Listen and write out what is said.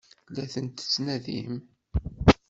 La ten-tettnadim?